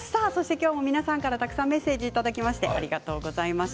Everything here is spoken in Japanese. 今日も皆さんからたくさんメッセージをいただきましてありがとうございました。